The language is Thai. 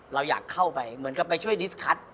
เราอยากเข้าไปเหมือนกับไปช่วยดิสคัท